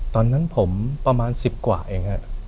ตอนนั้นผมประมาณสิบกว่าเองครับ